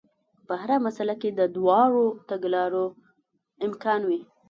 په هره مسئله کې د دواړو تګلارو امکان وي.